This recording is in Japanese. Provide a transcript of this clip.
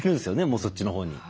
もうそっちのほうに。